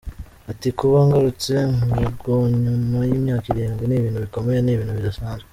Ati “Kuba ngarutse mu rugonyuma y’imyaka irindwi ni ibintu bikomeye, ni ibintu bidasanzwe…”.